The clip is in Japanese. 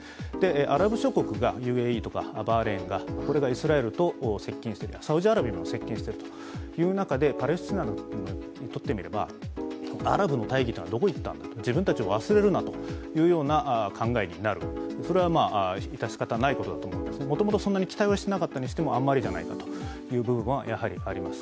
アラブ諸国がＵＡＥとかバーレーンがイスラエルと接近して、サウジアラビアも接近してという中でパレスチナにとってみればアラブの大義というのはどこにいったんだ、自分たちを忘れるなという考えになる、それは致し方ないことだと思います、もともとそんなに期待はしていなかったとしてもあんまりじゃないかという部分はあります。